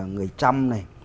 người trăm này